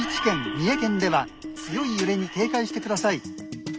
三重県では強い揺れに警戒してください」。